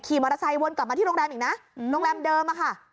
ขี่มอเตอร์ไซค์วนกลับมาที่โรงแรมอีกนะโรงแรมเดิมอะค่ะ